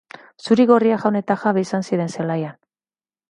Zuri-gorriak jaun eta jabe izan ziren zelaian.